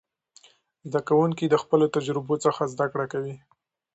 زده کوونکي د خپلو تجربو څخه زده کړه کوي.